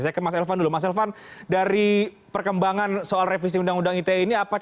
saya ke mas elvan dulu mas elvan dari perkembangan soal revisi undang undang ite ini apa catatan anda soal itu